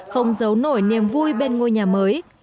không giấu nổi niềm vui bên ngôi nhà mới